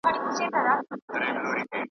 زړونه سینه کښې خو نادان نۀ ګوري